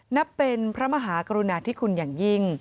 นับเป็นพระมหากรุณาธิคุณอย่างยิ่ง